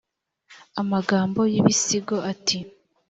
amagambo y’ibisigo ati